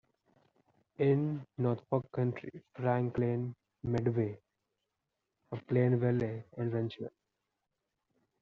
In Norfolk County: Franklin, Medway, Plainville, Wrentham.